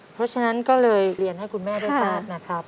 เพราะฉะนั้นก็เลยเรียนให้คุณแม่ได้ทราบนะครับ